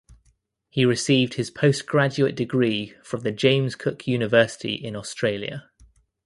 He received his postgraduate degree from the James Cook University in Australia.